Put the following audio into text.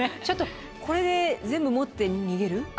ちょっとこれで全部持って逃げる？